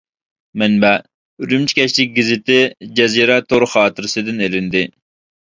مەنبە : ئۈرۈمچى كەچلىك گېزىتى جەزىرە تور خاتىرىسىدىن ئېلىندى.